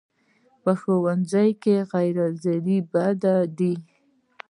ښوونځی کې غیر حاضرې بدې دي